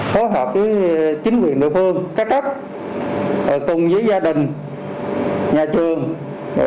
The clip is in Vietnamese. phối hợp với chính quyền địa phương các cấp cùng với gia đình nhà trường